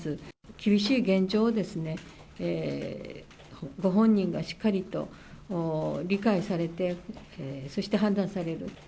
厳しい現状をですね、ご本人がしっかりと理解されて、そして判断される。